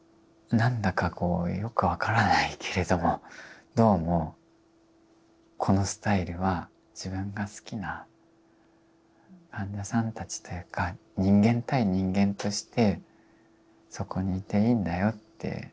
何だかこうよく分からないけれどもどうもこのスタイルは自分が好きな患者さんたちというか人間対人間としてそこにいていいんだよって。